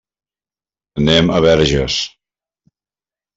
Anem a Verges.